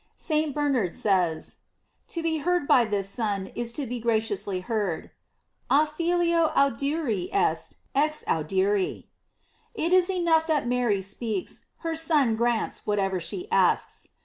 St. Bernard says: To be heard by this Son is to be graciously heard: "A Filio audiri est exaudiri." It is enough that Mary speaks, her Son grants whatever she asks.